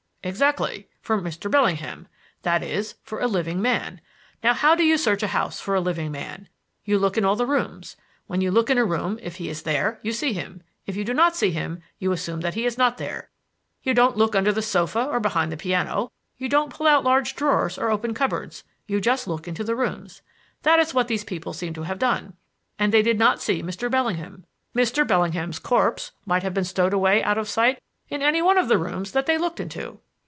"Exactly; for Mr. Bellingham. That is, for a living man. Now how do you search a house for a living man? You look in all the rooms. When you look in a room if he is there, you see him; if you do not see him, you assume that he is not there. You don't look under the sofa or behind the piano, you don't pull out large drawers or open cupboards. You just look into the rooms. That is what these people seem to have done. And they did not see Mr. Bellingham. Mr. Bellingham's corpse might have been stowed away out of sight in any one of the rooms that they looked into."